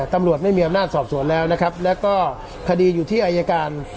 ตำรวจไม่มีอำนาจสอบสวนแล้วนะครับแล้วก็คดีอยู่ที่อายการ